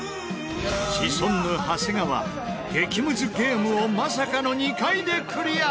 シソンヌ長谷川激ムズゲームをまさかの２回でクリア！